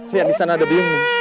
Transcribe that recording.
lihat di sana ada bingung